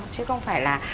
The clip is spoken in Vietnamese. chứ không phải là